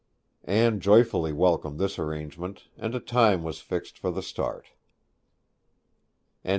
Anne joyfully welcomed this arrangement, and a time was fixed for the start. XIII.